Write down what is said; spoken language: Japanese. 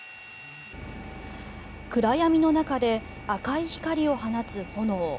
暗闇の中で赤い光を放つ炎。